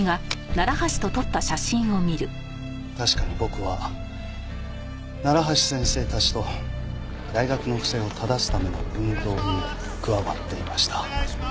確かに僕は楢橋先生たちと大学の不正をただすための運動に加わっていました。